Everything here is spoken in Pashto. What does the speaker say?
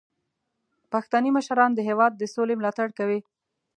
پښتني مشران د هیواد د سولې ملاتړ کوي.